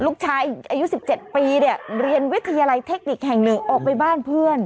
ลูกชายอายุ๑๗ปีเนี่ยเรียนวิทยาลัยเทคนิคแห่งหนึ่งออกไปบ้านเพื่อน